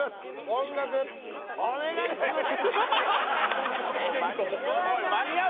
音楽お願いします